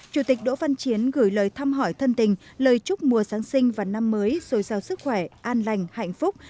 chủ tịch đỗ văn chiến gửi lời thăm hỏi thân tình lời chúc mùa sáng sinh và năm mới sôi sao sức khỏe an lành hạnh phúc